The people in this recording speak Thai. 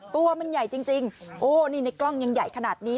ตัวมันใหญ่จริงโอ้นี่ในกล้องยังใหญ่ขนาดนี้